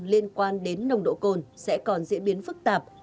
liên quan đến nồng độ cồn sẽ còn diễn biến phức tạp